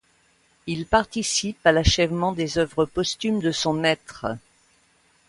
Il participe à l'achèvement des œuvres posthumes de son maître.